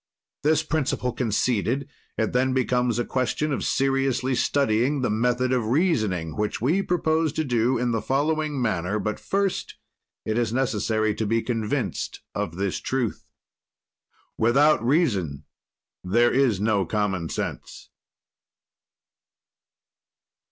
"This principle conceded, it then becomes a question of seriously studying the method of reasoning, which we propose to do in the following manner but first it is necessary to be convinced of this truth." Without reason there is no common sense.